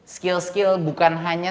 skill skill bukan hanya